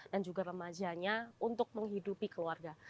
dan juga remajanya untuk menghidupi keluarga